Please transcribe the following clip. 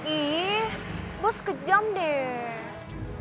ih bos kejam deh